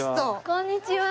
こんにちは。